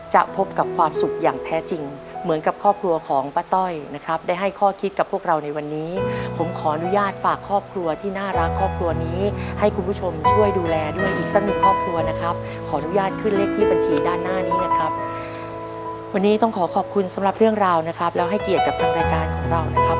พบกับความสุขอย่างแท้จริงเหมือนกับครอบครัวของป้าต้อยนะครับได้ให้ข้อคิดกับพวกเราในวันนี้ผมขออนุญาตฝากครอบครัวที่น่ารักครอบครัวนี้ให้คุณผู้ชมช่วยดูแลด้วยอีกสักหนึ่งครอบครัวนะครับขออนุญาตขึ้นเลขที่บัญชีด้านหน้านี้นะครับวันนี้ต้องขอขอบคุณสำหรับเรื่องราวนะครับแล้วให้เกียรติกับทางรายการของเรานะครับ